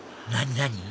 何？